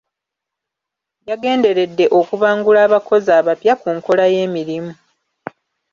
Yagenderedde okubangula abakozi abapya ku nkola y’emirimu.